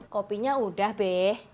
kopinya udah be